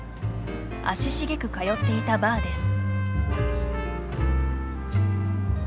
足しげく通っていたバーです。